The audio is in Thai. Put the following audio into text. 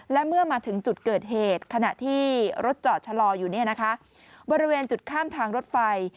และเมื่อมาถึงจุดเกิดเหตุขณะที่รถจอดชะลออยู่บริเวณจุดข้ามทางรถไฟ